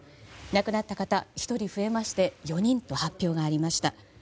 亡くなった方、１人増えまして４人と発表がありました。